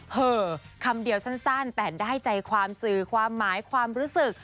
เหอะคำเดียวสั้นแต่ได้ใจความสื่อความหมายความรู้สึก